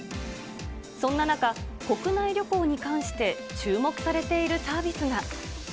そんな中、国内旅行に関して注目されているサービスが。